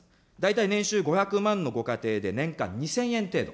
大体年収５００万の家庭で、年間２０００円程度。